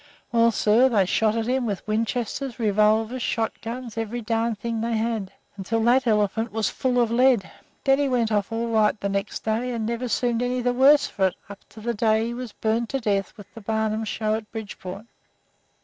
Well, sir, they shot at him with Winchesters, revolvers, shot guns, every darned thing they had, until that elephant was full of lead, but he went off all right the next day, and never seemed any the worse for it up to the day when he was burned to death with the Barnum show at Bridgeport."